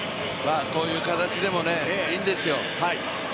こういう形でもいいんですよ。